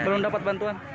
belum dapat bantuan